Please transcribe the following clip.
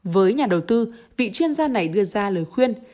với nhà đầu tư vị chuyên gia này đưa ra lời khuyên